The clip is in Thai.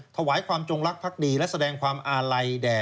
ถวายความจงรักภักดีและแสดงความอาลัยแด่